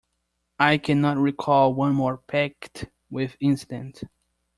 I cannot recall one more packed with incident.